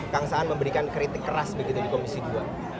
kang saan memberikan kritik keras begitu di komisi dua